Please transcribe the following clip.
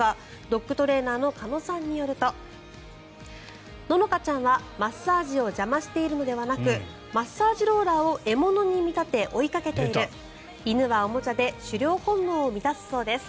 ドッグトレーナーの鹿野さんによると野々花ちゃんはマッサージを邪魔しているのではなくマッサージローラーを獲物に見立て、追いかけている犬はおもちゃで狩猟本能を満たすそうです。